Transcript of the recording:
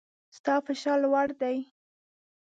ستا فشار لوړ دی